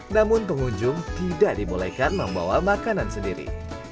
namun pengunjung tidak dibolehkan membawa makanan sendiri